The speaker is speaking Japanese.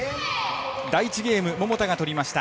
第１ゲーム、桃田がとりました。